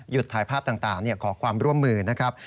ถ่ายภาพต่างขอความร่วมมือนะครับ